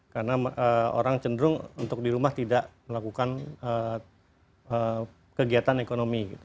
karena orang cenderung untuk di rumah tidak melakukan kegiatan ekonomi